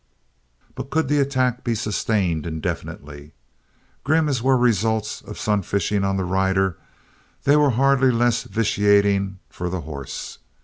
But could the attack be sustained indefinitely? Grim as were results of sun fishing on the rider, they were hardly less vitiating for the horse.